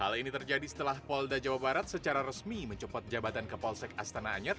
hal ini terjadi setelah polda jawa barat secara resmi mencopot jabatan ke polsek astana anyar